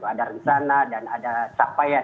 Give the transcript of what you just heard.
ada rencana dan ada capaian